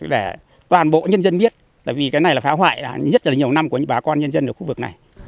để toàn bộ nhân dân biết tại vì cái này là phá hoại nhất là nhiều năm của những bà con nhân dân ở khu vực này